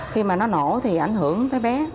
khi mà nó nổ thì ảnh hưởng tới bé